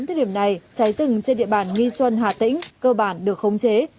thời điểm này cháy rừng trên địa bàn nghi xuân hà tĩnh cơ bản được khống chế